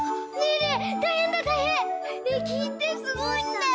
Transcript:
ねえきいてすごいんだよ！